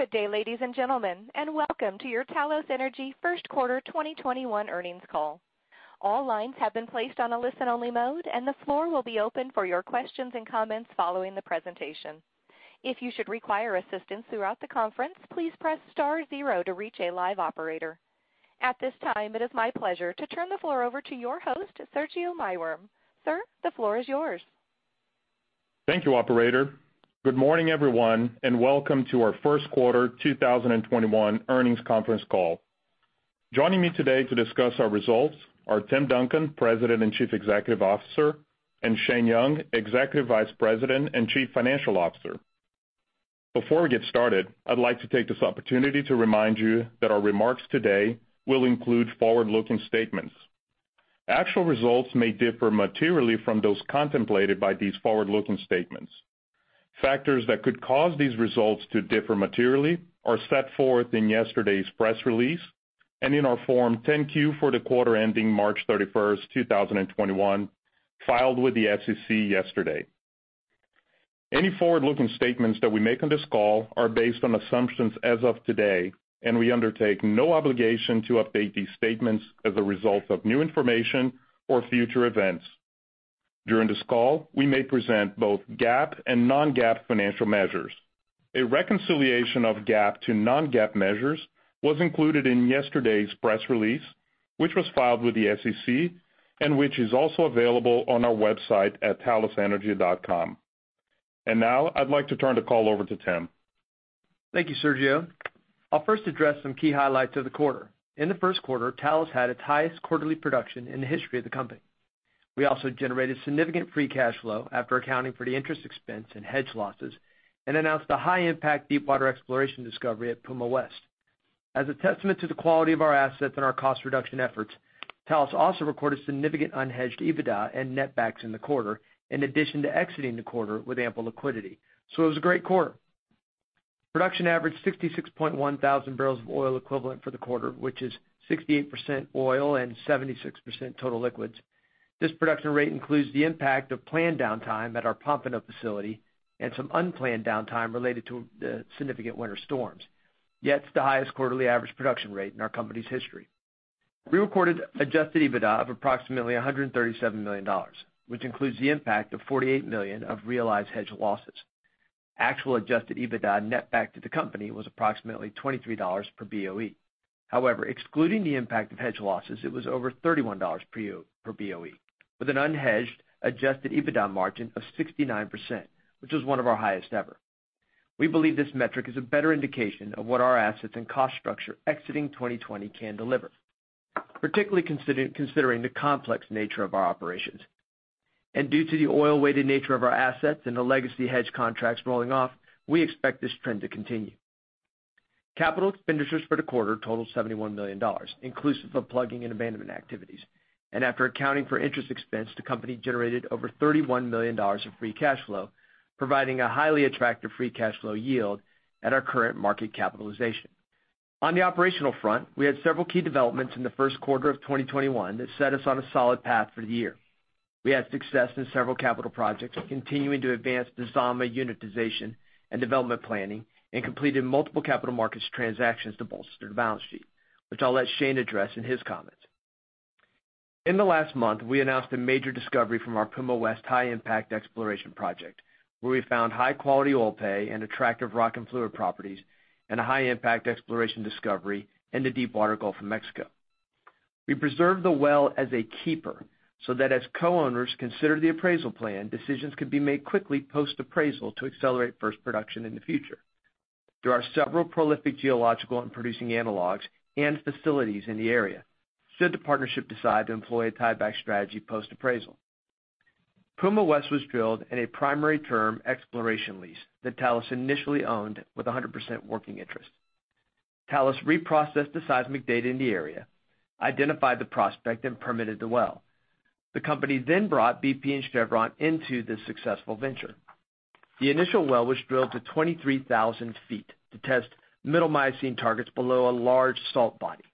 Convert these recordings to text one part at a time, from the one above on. Good day, ladies and gentlemen, welcome to your Talos Energy first quarter 2021 earnings call. All lines have been placed on a listen-only mode; the floor will be open for your questions and comments following the presentation. If you should require assistance throughout the conference, please press star zero to reach a live operator. At this time, it is my pleasure to turn the floor over to your host, Sergio Maiworm. Sir, the floor is yours. Thank you, operator. Good morning, everyone, and welcome to our first quarter 2021 earnings conference call. Joining me today to discuss our results are Tim Duncan, President and Chief Executive Officer, and Shane Young, Executive Vice President and Chief Financial Officer. Before we get started, I'd like to take this opportunity to remind you that our remarks today will include forward-looking statements. Actual results may differ materially from those contemplated by these forward-looking statements. Factors that could cause these results to differ materially are set forth in yesterday's press release and in our Form 10-Q for the quarter ending March 31st, 2021, filed with the SEC yesterday. Any forward-looking statements that we make on this call are based on assumptions as of today. We undertake no obligation to update these statements as a result of new information or future events. During this call, we may present both GAAP and non-GAAP financial measures. A reconciliation of GAAP to non-GAAP measures was included in yesterday's press release, which was filed with the SEC and which is also available on our website at talosenergy.com. Now I'd like to turn the call over to Tim. Thank you, Sergio. I'll first address some key highlights of the quarter. In the first quarter, Talos had its highest quarterly production in the history of the company. We also generated significant free cash flow after accounting for the interest expense and hedge losses and announced a high-impact deepwater exploration discovery at Puma West. As a testament to the quality of our assets and our cost reduction efforts, Talos also recorded significant unhedged EBITDA and net backs in the quarter, in addition to exiting the quarter with ample liquidity. It was a great quarter. Production averaged 66,100 BOE for the quarter, which is 68% oil and 76% total liquids. This production rate includes the impact of planned downtime at our Pompano facility and some unplanned downtime related to the significant winter storms. Yet it's the highest quarterly average production rate in our company's history. We recorded adjusted EBITDA of approximately $137 million, which includes the impact of $48 million of realized hedge losses. Actual adjusted EBITDA net back to the company was approximately $23/BOE. Excluding the impact of hedge losses, it was over $31/BOE, with an unhedged adjusted EBITDA margin of 69%, which was one of our highest ever. We believe this metric is a better indication of what our assets and cost structure exiting 2020 can deliver, particularly considering the complex nature of our operations. Due to the oil-weighted nature of our assets and the legacy hedge contracts rolling off, we expect this trend to continue. Capital expenditures for the quarter totaled $71 million, inclusive of plugging and abandonment activities. After accounting for interest expense, the company generated over $31 million in free cash flow, providing a highly attractive free cash flow yield at our current market capitalization. On the operational front, we had several key developments in the first quarter of 2021 that set us on a solid path for the year. We had success in several capital projects, continuing to advance the Zama unitization and development planning, and completed multiple capital markets transactions to bolster the balance sheet. Which I'll let Shane address in his comments. In the last month, we announced a major discovery from our Puma West high-impact exploration project, where we found high-quality oil pay and attractive rock and fluid properties, and a high-impact exploration discovery in the deepwater U.S Gulf of Mexico. We preserved the well as a keeper so that as co-owners consider the appraisal plan, decisions could be made quickly post-appraisal to accelerate first production in the future. There are several prolific geological and producing analogs and facilities in the area should the partnership decide to employ a tieback strategy post-appraisal. Puma West was drilled in a primary term exploration lease that Talos initially owned with 100% working interest. Talos reprocessed the seismic data in the area, identified the prospect, and permitted the well. The company brought bp and Chevron into this successful venture. The initial well was drilled to 23,000 ft to test middle Miocene targets below a large salt body.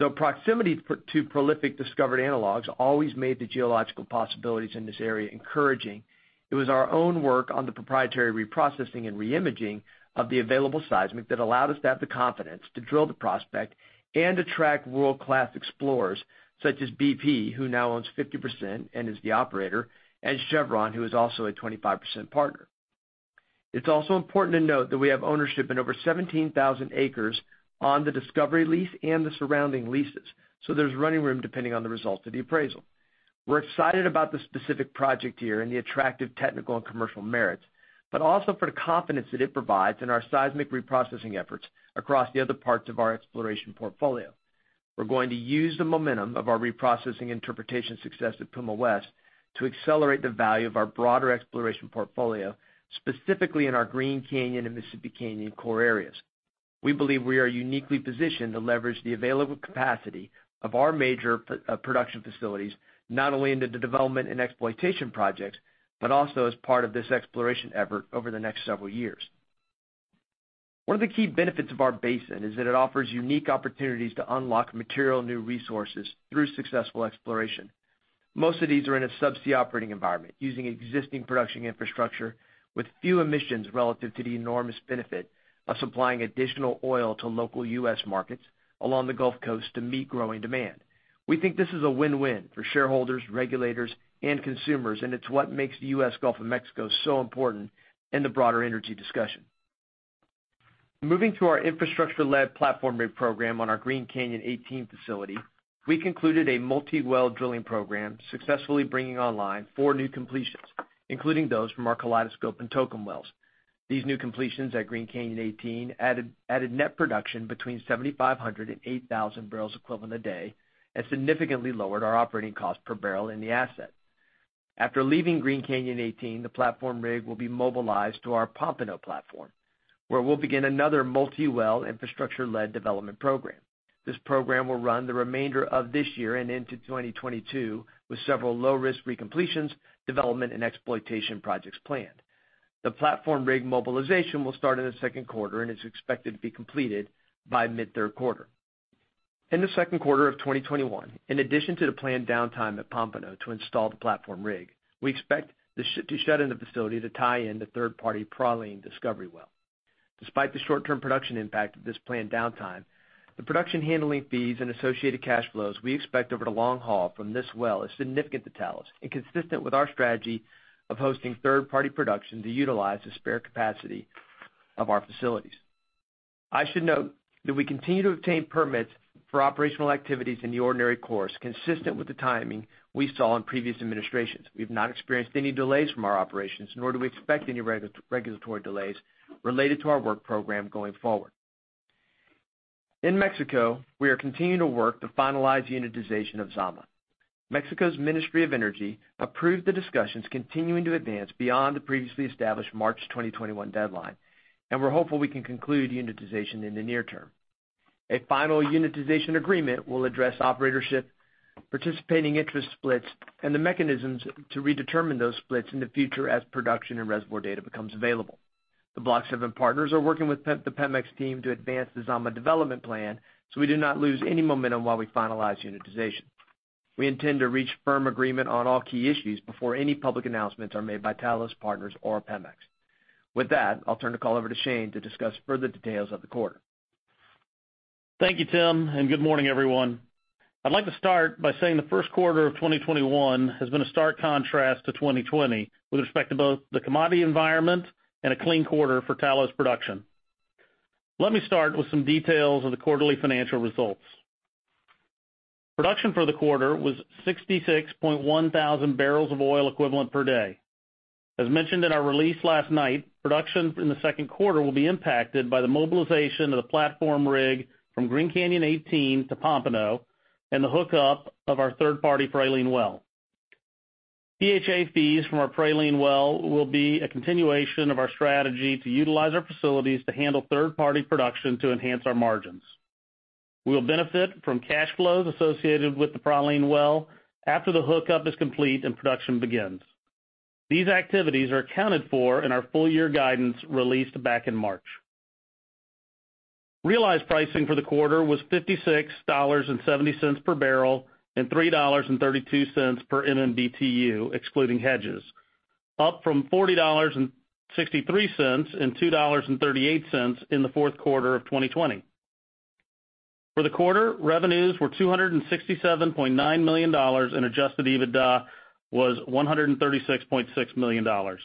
Though proximity to prolific discovered analogs always made the geological possibilities in this area encouraging, it was our own work on the proprietary reprocessing and re-imaging of the available seismic that allowed us to have the confidence to drill the prospect and attract world-class explorers such as bp, who now owns 50% and is the operator, and Chevron, who is also a 25% partner. It's also important to note that we have ownership in over 17,000 acres on the discovery lease and the surrounding leases, so there's running room depending on the results of the appraisal. We're excited about the specific project here and the attractive technical and commercial merits, but also for the confidence that it provides in our seismic reprocessing efforts across the other parts of our exploration portfolio. We're going to use the momentum of our reprocessing interpretation success at Puma West to accelerate the value of our broader exploration portfolio, specifically in our Green Canyon and Mississippi Canyon core areas. We believe we are uniquely positioned to leverage the available capacity of our major production facilities, not only into the development and exploitation projects, but also as part of this exploration effort over the next several years. One of the key benefits of our basin is that it offers unique opportunities to unlock material new resources through successful exploration. Most of these are in a subsea operating environment, using existing production infrastructure with few emissions relative to the enormous benefit of supplying additional oil to local U.S. markets along the Gulf Coast to meet growing demand. We think this is a win-win for shareholders, regulators, and consumers; it's what makes the U.S. Gulf of Mexico so important in the broader energy discussion. Moving to our infrastructure-led platform rig program on our Green Canyon 18 facility, we concluded a multi-well drilling program, successfully bringing online four new completions, including those from our Kaleidoscope and Tokum wells. These new completions at Green Canyon 18 added net production between 7,500 BOE and 8,000 BOE a day, and significantly lowered our operating cost per barrel in the asset. After leaving Green Canyon 18, the platform rig will be mobilized to our Pompano platform, where we'll begin another multi-well infrastructure-led development program. This program will run the remainder of this year and into 2022, with several low-risk recompletions, development, and exploitation projects planned. The platform rig mobilization will start in the second quarter and is expected to be completed by mid-third quarter. In the second quarter of 2021, in addition to the planned downtime at Pompano to install the platform rig, we expect to shut in the facility to tie in the third-party Praline discovery well. Despite the short-term production impact of this planned downtime, the production handling fees and associated cash flows we expect over the long haul from this well is significant to Talos and consistent with our strategy of hosting third-party production to utilize the spare capacity of our facilities. I should note that we continue to obtain permits for operational activities in the ordinary course consistent with the timing we saw in previous administrations. We've not experienced any delays from our operations, nor do we expect any regulatory delays related to our work program going forward. In Mexico, we are continuing to work to finalize the unitization of Zama. Secretaría de Energía, Mexico's ministry of energy approved the discussions continuing to advance beyond the previously established March 2021 deadline, and we're hopeful we can conclude unitization in the near term. A final unitization agreement will address operatorship, participating interest splits, and the mechanisms to redetermine those splits in the future as production and reservoir data becomes available. The Block 7 partners are working with the Pemex team to advance the Zama development plan so we do not lose any momentum while we finalize unitization. We intend to reach firm agreement on all key issues before any public announcements are made by Talos, partners, or Pemex. With that, I'll turn the call over to Shane to discuss further details of the quarter. Thank you, Tim, and good morning, everyone. I'd like to start by saying the first quarter of 2021 has been a stark contrast to 2020 with respect to both the commodity environment and a clean quarter for Talos production. Let me start with some details of the quarterly financial results. Production for the quarter was 66,100 BOE per day. As mentioned in our release last night, production in the second quarter will be impacted by the mobilization of the platform rig from Green Canyon 18 to Pompano and the hookup of our third-party Praline well. PHA fees from our Praline well will be a continuation of our strategy to utilize our facilities to handle third-party production to enhance our margins. We'll benefit from cash flows associated with the Praline well after the hookup is complete and production begins. These activities are accounted for in our full year guidance released back in March. Realized pricing for the quarter was $56.70/bbl and $3.32/MMBtu, excluding hedges, up from $40.63 and $2.38 in the fourth quarter of 2020. For the quarter, revenues were $267.9 million and adjusted EBITDA was $136.6 million.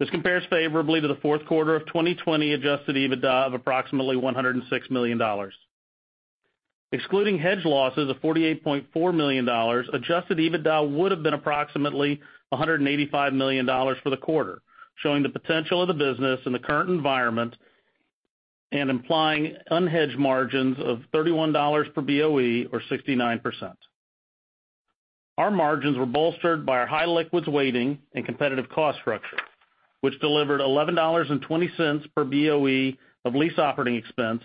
This compares favorably to the fourth quarter of 2020 adjusted EBITDA of approximately $106 million. Excluding hedge losses of $48.4 million, adjusted EBITDA would've been approximately $185 million for the quarter, showing the potential of the business in the current environment and implying unhedged margins of $31/BOE or 69%. Our margins were bolstered by our high liquids weighting and competitive cost structure, which delivered $11.20/BOE of lease operating expense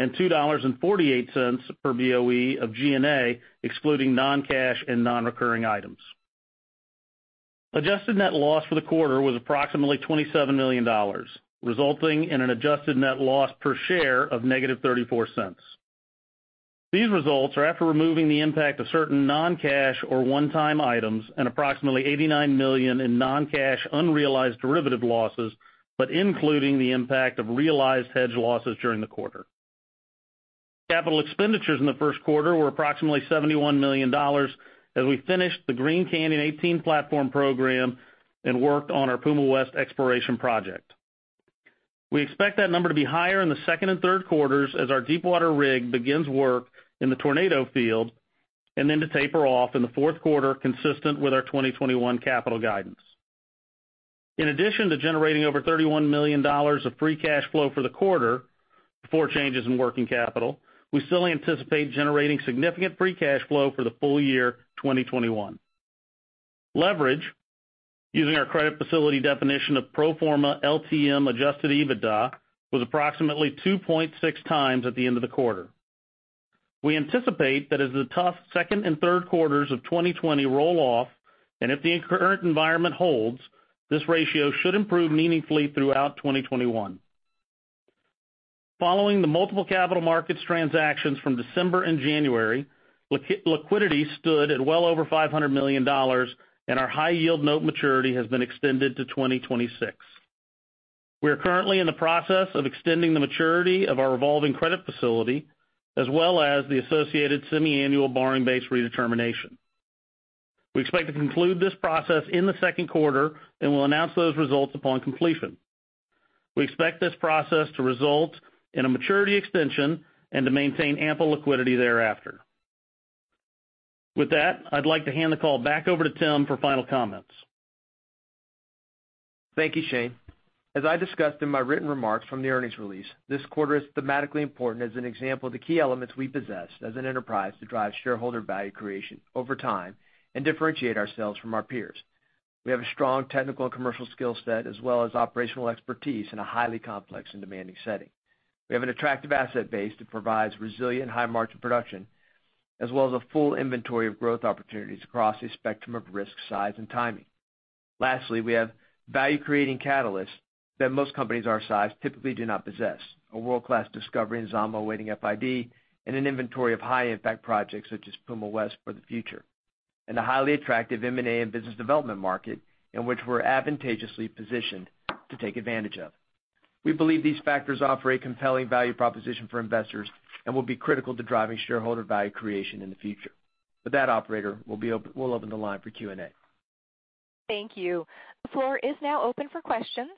and $2.48/BOE of G&A, excluding non-cash and non-recurring items. Adjusted net loss for the quarter was approximately $27 million, resulting in an adjusted net loss per share of negative $0.34. These results are after removing the impact of certain non-cash or one-time items and approximately $89 million in non-cash unrealized derivative losses, but including the impact of realized hedge losses during the quarter. Capital expenditures in the first quarter were approximately $71 million as we finished the Green Canyon 18 platform program and worked on our Puma West exploration project. We expect that number to be higher in the second and third quarters as our deepwater rig begins work in the Tornado field, and then to taper off in the fourth quarter, consistent with our 2021 capital guidance. In addition to generating over $31 million of free cash flow for the quarter before changes in working capital, we still anticipate generating significant free cash flow for the full year 2021. Leverage using our credit facility definition of pro forma LTM adjusted EBITDA was approximately 2.6x at the end of the quarter. We anticipate that, as the tough second and third quarters of 2020 roll off, and if the current environment holds, this ratio should improve meaningfully throughout 2021. Following the multiple capital markets transactions from December and January, liquidity stood at well over $500 million, and our high-yield note maturity has been extended to 2026. We are currently in the process of extending the maturity of our revolving credit facility as well as the associated semiannual borrowing base redetermination. We expect to conclude this process in the second quarter, and we'll announce those results upon completion. We expect this process to result in a maturity extension and to maintain ample liquidity thereafter. With that, I'd like to hand the call back over to Tim for final comments. Thank you, Shane. As I discussed in my written remarks from the earnings release, this quarter is thematically important as an example of the key elements we possess as an enterprise to drive shareholder value creation over time and differentiate ourselves from our peers. We have a strong technical and commercial skill set as well as operational expertise in a highly complex and demanding setting. We have an attractive asset base that provides resilient high margin production, as well as a full inventory of growth opportunities across a spectrum of risk, size, and timing. Lastly, we have value-creating catalysts that most companies our size typically do not possess. A world-class discovery in Zama awaiting FID and an inventory of high-impact projects such as Puma West for the future, a highly attractive M&A and business development market in which we're advantageously positioned to take advantage of. We believe these factors offer a compelling value proposition for investors and will be critical to driving shareholder value creation in the future. With that, operator, we will open the line for Q&A. Thank you. The floor is now open for questions.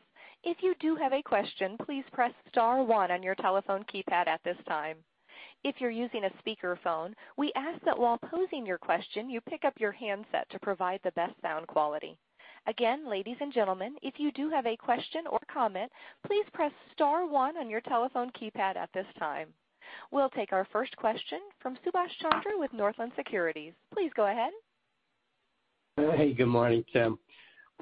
If you do have a question, please press star one on your telephone keypad at this time. If you're using a speakerphone, we ask that while posing your question, you pick up your handset to provide the best sound quality. Again, ladies and gentlemen, if you do have a question or comment, please press star one on your telephone keypad at this time. We'll take our first question from Subhash Chandra with Northland Securities. Please go ahead. Hey, good morning, Tim.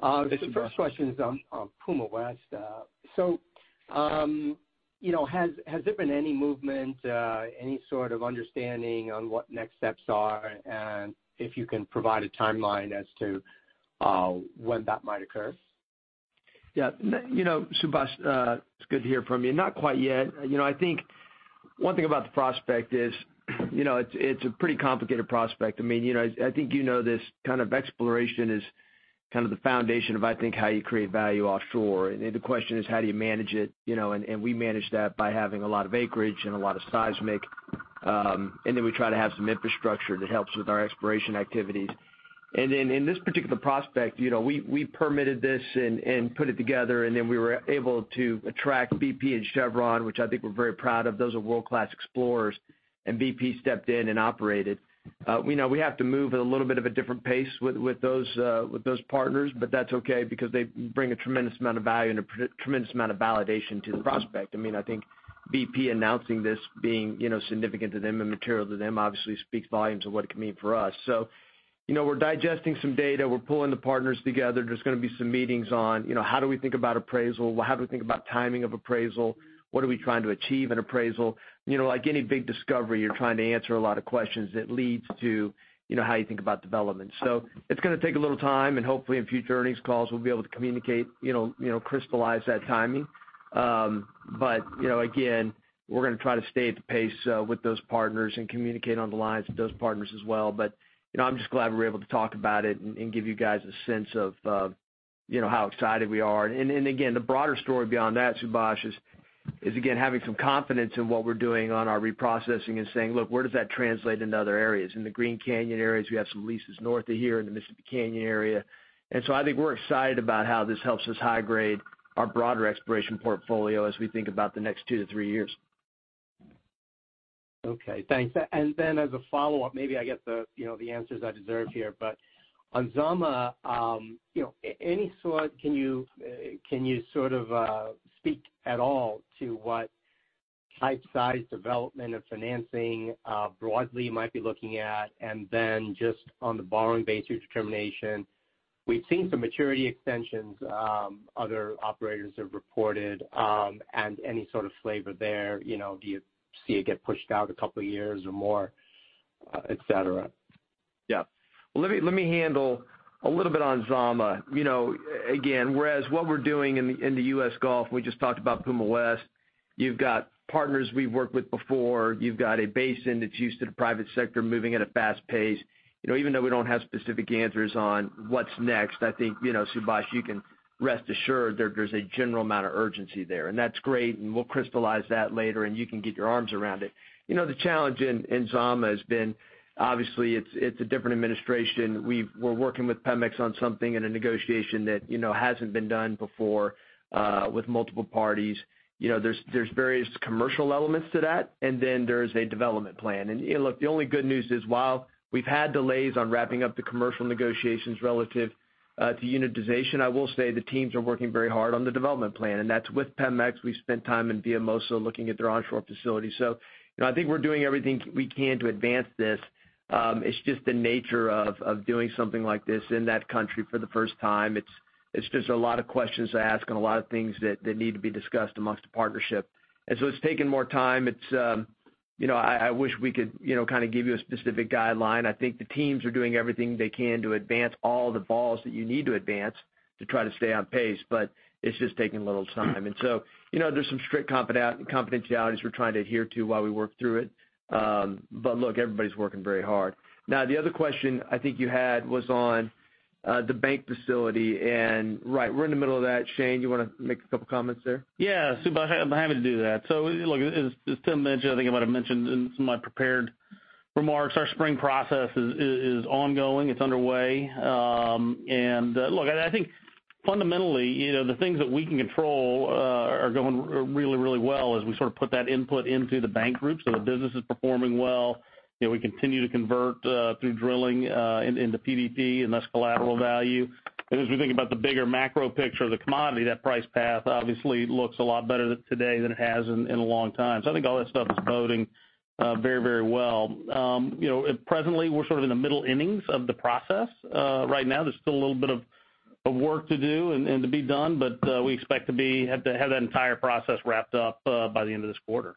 Good morning. The first question is on Puma West. Has there been any movement, any sort of understanding on what next steps are, and if you can provide a timeline as to when that might occur? Yeah. Subhash, it's good to hear from you. Not quite yet. I think one thing about the prospect is, it's a pretty complicated prospect. I think you know this kind of exploration is kind of the foundation of, I think, how you create value offshore. The question is, how do you manage it? We manage that by having a lot of acreage and a lot of seismic; we try to have some infrastructure that helps with our exploration activities. In this particular prospect, we permitted this and put it together; we were able to attract bp and Chevron, which I think we're very proud of. Those are world-class explorers, and bp stepped in and operated. We have to move at a little bit of a different pace with those partners, but that's okay because they bring a tremendous amount of value and a tremendous amount of validation to the prospect. I think bp announcing this being significant to them and material to them obviously speaks volumes of what it could mean for us. We're digesting some data. We're pulling the partners together. There's going to be some meetings on how do we think about appraisal? How do we think about timing of appraisal? What are we trying to achieve in appraisal? Like any big discovery, you're trying to answer a lot of questions that leads to how you think about development. It's going to take a little time, and hopefully, in future earnings calls, we'll be able to communicate, crystallize that timing. Again, we're going to try to stay at the pace with those partners and communicate on the lines with those partners as well. I'm just glad we were able to talk about it and give you guys a sense of how excited we are. Again, the broader story beyond that, Subhash, is again, having some confidence in what we're doing on our reprocessing and saying, "Look, where does that translate into other areas?" In the Green Canyon areas, we have some leases north of here in the Mississippi Canyon area. I think we're excited about how this helps us high-grade our broader exploration portfolio as we think about the next two to three years. Okay, thanks. As a follow-up, maybe I get the answers I deserve here. On Zama, can you sort of speak at all to what type size development and financing broadly you might be looking at? Just on the borrowing base redetermination, we've seen some maturity extensions other operators have reported, and any sort of flavor there. Do you see it get pushed out a couple of years or more, et cetera? Yeah. Let me handle a little bit on Zama. Whereas what we're doing in the U.S. Gulf, we just talked about Puma West. You've got partners we've worked with before. You've got a basin that's used to the private sector moving at a fast pace. Even though we don't have specific answers on what's next, I think, Subhash, you can rest assured there's a general amount of urgency there, and that's great, and we'll crystallize that later, and you can get your arms around it. The challenge in Zama has been, obviously, it's a different administration. We're working with Pemex on something in a negotiation that hasn't been done before, with multiple parties. There's various commercial elements to that, and then there's a development plan. Look, the only good news is while we've had delays on wrapping up the commercial negotiations relative to unitization, I will say the teams are working very hard on the development plan, and that's with Pemex. We've spent time in Villahermosa looking at their onshore facility. I think we're doing everything we can to advance this. It's just the nature of doing something like this in that country for the first time. It's just a lot of questions to ask and a lot of things that need to be discussed amongst the partnership. It's taken more time. I wish we could give you a specific guideline. I think the teams are doing everything they can to advance all the balls that you need to advance to try to stay on pace, but it's just taking a little time. There's some strict confidentialities we're trying to adhere to while we work through it. Look, everybody's working very hard. Now, the other question I think you had was on the bank facility, and right, we're in the middle of that. Shane, you want to make a couple of comments there? Yeah, sure. I'd be happy to do that. Look, as Tim mentioned, I think I might've mentioned in some of my prepared remarks, our spring process is ongoing. It's underway. Look, I think fundamentally, the things that we can control are going really well as we put that input into the bank group. The business is performing well. We continue to convert through drilling into PDP, and that's collateral value. As we think about the bigger macro picture of the commodity, that price path obviously looks a lot better today than it has in a long time. I think all that stuff is boding very well. Presently, we're in the middle innings of the process. Right now, there's still a little bit of work to do and to be done. We expect to have that entire process wrapped up by the end of this quarter.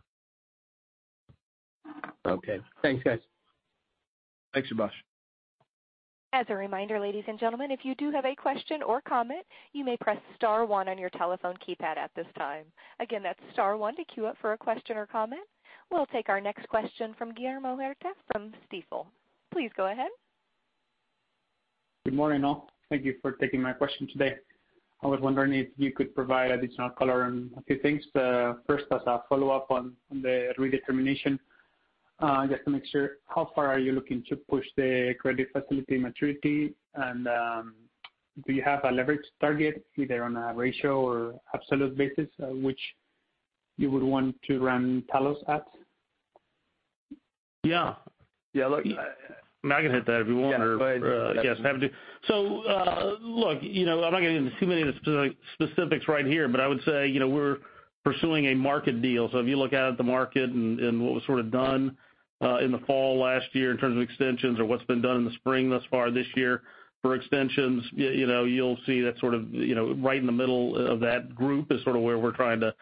Okay. Thanks, guys. Thanks, Subhash. As a reminder, ladies and gentlemen, if you do have a question or comment, you may press star one on your telephone keypad at this time. Again, that's star one to queue up for a question or comment. We'll take our next question from Guillermo Huerta from Stifel. Please go ahead. Good morning, all. Thank you for taking my question today. I was wondering if you could provide additional color on a few things. First, as a follow-up on the redetermination, just to make sure, how far are you looking to push the credit facility maturity? Do you have a leverage target, either on a ratio or absolute basis, which you would want to run Talos at? Yeah. Look, I can hit that if you want. Yeah. Yes. Happy to. Look, I'm not getting into too many of the specifics right here, but I would say we're pursuing a market deal. If you look out at the market and what was done in the fall last year in terms of extensions or what's been done in the spring thus far this year for extensions, you'll see right in the middle of that group is where we're trying to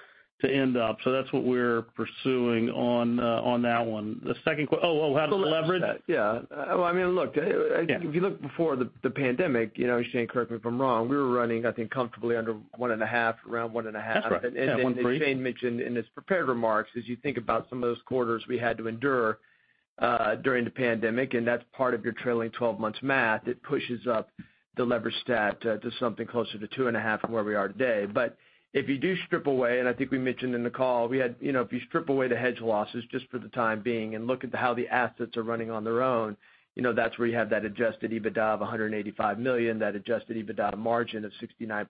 end up. That's what we're pursuing on that one. How does it leverage? Yeah. I mean, look. Yeah If you look before the pandemic, Shane, correct me if I'm wrong, we were running, I think, comfortably under 1.5x, around 1.5x. That's right. Yeah, 1.3x. Shane mentioned in his prepared remarks, as you think about some of those quarters we had to endure during the pandemic, and that's part of your trailing 12 months math, it pushes up the leverage stat to something closer to 2.5x from where we are today. If you do strip away, and I think we mentioned in the call, if you strip away the hedge losses just for the time being and look at how the assets are running on their own, that's where you have that adjusted EBITDA of $185 million, that adjusted EBITDA margin of 69%.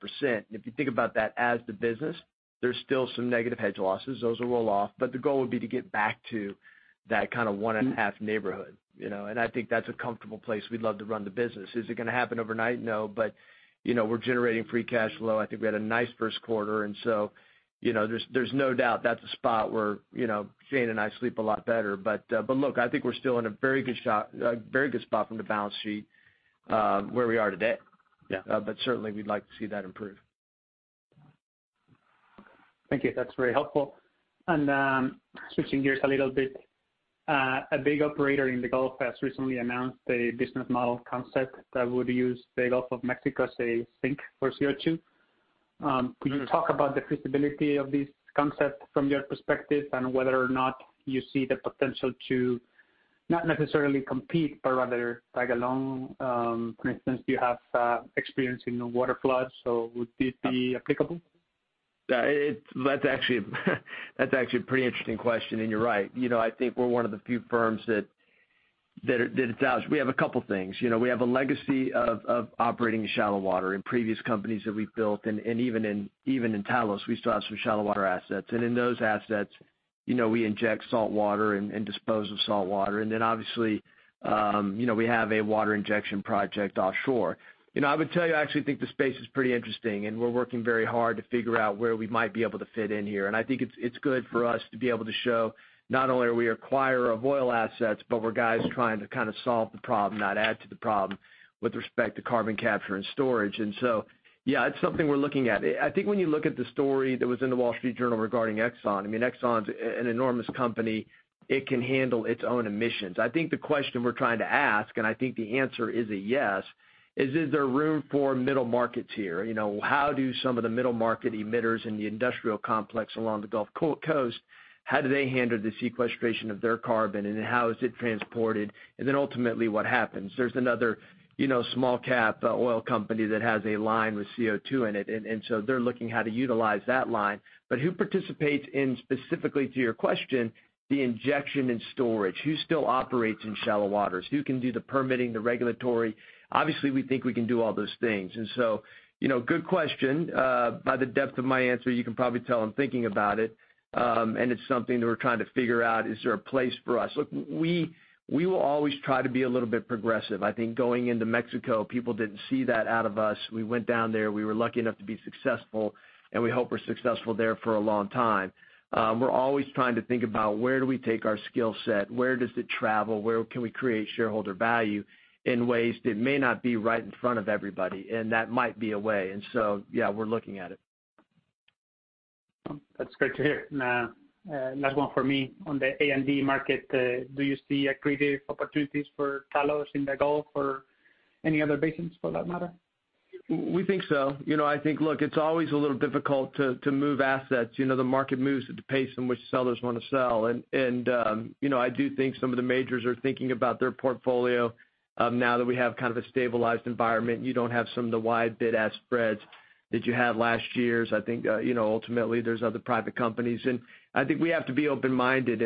If you think about that as the business, there's still some negative hedge losses. Those will roll off, but the goal would be to get back to that 1.5x neighborhood. I think that's a comfortable place we'd love to run the business. Is it going to happen overnight? No. We're generating free cash flow. I think we had a nice first quarter. There's no doubt that's a spot where Shane and I sleep a lot better. Look, I think we're still in a very good spot from the balance sheet where we are today. Yeah. Certainly, we'd like to see that improve. Thank you. That's very helpful. Switching gears a little bit, a big operator in the Gulf has recently announced a business model concept that would use the Gulf of Mexico as a sink for CO2. Could you talk about the feasibility of this concept from your perspective and whether or not you see the potential to not necessarily compete, but rather tag along? For instance, do you have experience in waterflood, so would this be applicable? That's actually a pretty interesting question, and you're right. I think we're one of the few firms that it's ours. We have a couple things. We have a legacy of operating in shallow water in previous companies that we've built, and even in Talos, we still have some shallow water assets. In those assets, we inject salt water and dispose of salt water. Obviously, we have a water injection project offshore. I would tell you, I actually think the space is pretty interesting, and we're working very hard to figure out where we might be able to fit in here. I think it's good for us to be able to show not only are we acquirers of oil assets, but we're guys trying to solve the problem, not add to the problem with respect to carbon capture and storage. Yeah, it's something we're looking at. I think when you look at the story that was in The Wall Street Journal regarding ExxonMobil, I mean, ExxonMobil's an enormous company. It can handle its own emissions. I think the question we're trying to ask, and I think the answer is a yes, is there room for middle markets here? How do some of the middle-market emitters in the industrial complex along the Gulf Coast handle the sequestration of their carbon, and how is it transported? Ultimately, what happens? There's another small-cap oil company that has a line with CO2 in it, and so they're looking at how to utilize that line. Who participates in, specifically to your question, the injection and storage? Who still operates in shallow waters? Who can do the permitting, the regulatory? Obviously, we think we can do all those things. Good question. By the depth of my answer, you can probably tell I'm thinking about it. It's something that we're trying to figure out. Is there a place for us? Look, we will always try to be a little bit progressive. I think going into Mexico, people didn't see that out of us. We went down there. We were lucky enough to be successful, and we hope we're successful there for a long time. We're always trying to think about where do we take our skill set? Where does it travel? Where can we create shareholder value in ways that may not be right in front of everybody? That might be a way. Yeah, we're looking at it. That's great to hear. Last one from me. On the A&D market, do you see accretive opportunities for Talos in the Gulf or any other basins for that matter? We think so. I think, look, it's always a little difficult to move assets. The market moves at the pace in which sellers want to sell. I do think some of the majors are thinking about their portfolio now that we have kind of a stabilized environment. You don't have some of the wide bid-ask spreads that you had last year. I think, ultimately, there's other private companies. I think we have to be open-minded.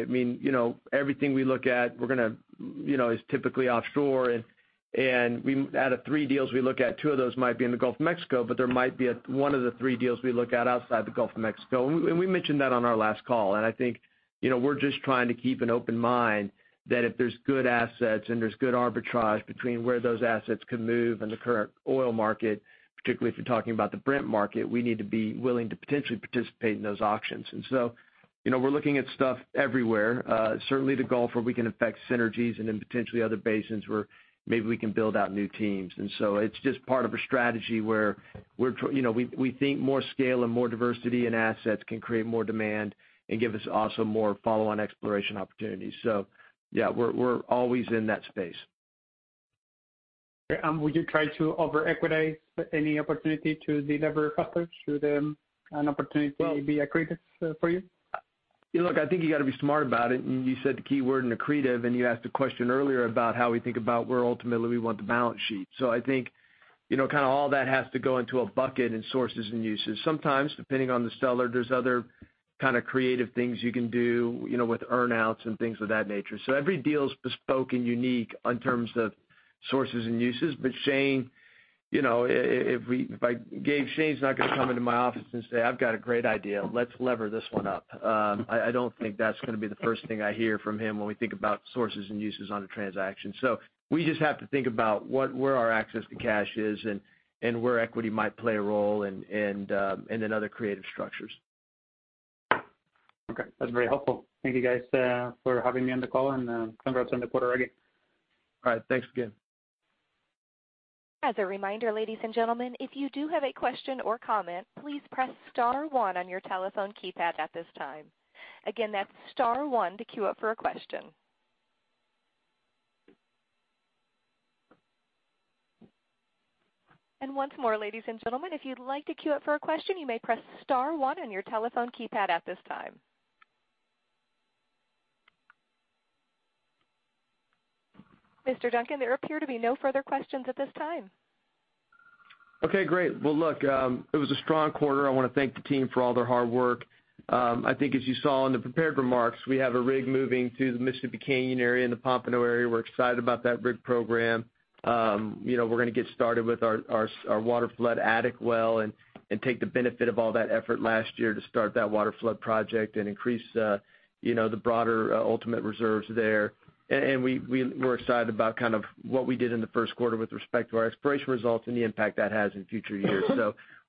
Everything we look at is typically offshore. Out of three deals we look at, two of those might be in the Gulf of Mexico, but there might be one of the three deals we look at outside the Gulf of Mexico. We mentioned that on our last call. I think we're just trying to keep an open mind that if there's good assets and there's good arbitrage between where those assets could move and the current oil market, particularly if you're talking about the Brent market, we need to be willing to potentially participate in those auctions. We're looking at stuff everywhere. Certainly, the Gulf, where we can affect synergies and then potentially other basins where maybe we can build out new teams. It's just part of a strategy where we think more scale and more diversity in assets can create more demand and give us also more follow-on exploration opportunities. Yeah, we're always in that space. Okay. Would you try to over-equitize any opportunity to deliver faster? Should an opportunity be accretive for you? Look, I think you got to be smart about it. You said the keyword "accretive," and you asked a question earlier about how we think about where ultimately we want the balance sheet. I think all that has to go into a bucket in sources and uses. Sometimes, depending on the seller, there's other kind of creative things you can do with earn-outs and things of that nature. Every deal is bespoke and unique in terms of sources and uses. Shane, not going to come into my office and say, "I've got a great idea. Let's lever this one up." I don't think that's going to be the first thing I hear from him when we think about sources and uses on a transaction. We just have to think about where our access to cash is and where equity might play a role, and then other creative structures. Okay. That's very helpful. Thank you, guys, for having me on the call. Congrats on the quarter, again. All right. Thanks again. As a reminder, ladies and gentlemen, if you do have a question or comment, please press star one on your telephone keypad at this time. Again, that's star one to queue up for a question. Once more, ladies and gentlemen, if you'd like to queue up for a question, you may press star one on your telephone keypad at this time. Mr. Duncan, there appear to be no further questions at this time. Okay, great. Well, look, it was a strong quarter. I want to thank the team for all their hard work. I think, as you saw in the prepared remarks, we have a rig moving to the Mississippi Canyon Area and the Pompano Area. We're excited about that rig program. We're going to get started with our waterflood Tornado Attic well and take the benefit of all that effort last year to start that waterflood project and increase the broader ultimate reserves there. We're excited about what we did in the first quarter with respect to our exploration results and the impact that has in future years.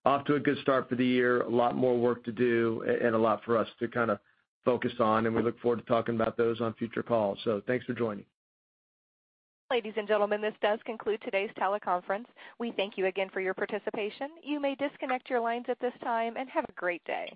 Off to a good start for the year. A lot more work to do and a lot for us to focus on, and we look forward to talking about those on future calls. Thanks for joining. Ladies and gentlemen, this does conclude today's teleconference. We thank you again for your participation. You may disconnect your lines at this time and have a great day.